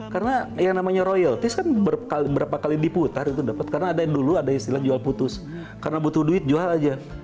karena yang namanya royalti kan berapa kali diputar itu dapat karena ada yang dulu ada istilah jual putus karena butuh duit jual aja